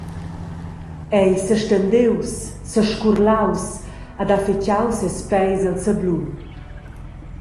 Ei sestendius, sescurlaus ed ha fitgau ses peis el sablun.